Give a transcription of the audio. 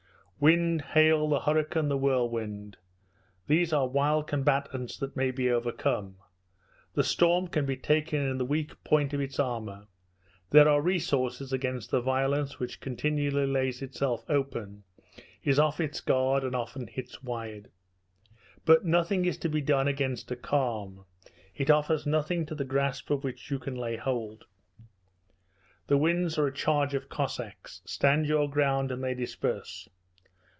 Wind, hail, the hurricane, the whirlwind these are wild combatants that may be overcome; the storm can be taken in the weak point of its armour; there are resources against the violence which continually lays itself open, is off its guard, and often hits wide. But nothing is to be done against a calm; it offers nothing to the grasp of which you can lay hold. The winds are a charge of Cossacks: stand your ground and they disperse.